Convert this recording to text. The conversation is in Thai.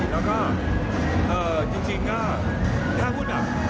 แล้วก็จริงก็ถ้าพูดแบบ